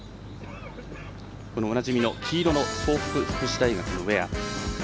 おなじみの黄色の東北福祉大学のウエア。